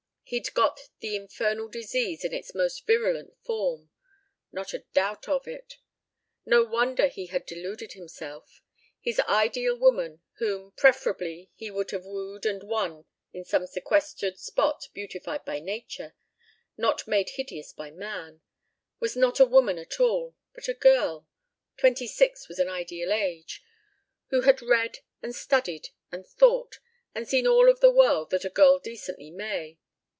He'd got the infernal disease in its most virulent form. Not a doubt of it. No wonder he had deluded himself. His ideal woman whom, preferably, he would have wooed and won in some sequestered spot beautified by nature, not made hideous by man was not a woman at all, but a girl; twenty six was an ideal age; who had read and studied and thought, and seen all of the world that a girl decently may.